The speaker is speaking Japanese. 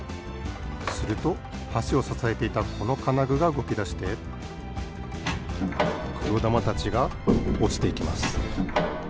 するとはしをささえていたこのかなぐがうごきだしてくろだまたちがおちていきます。